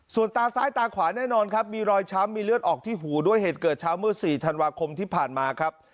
ส่วนตาซ้ายตาขวาแน่นอนครับมีรอยช้ำมีเลือดออกที่หูด้วยเหตุเกิดเช้าเมื่อ๔ธันวาคมที่ผ่านมาครับ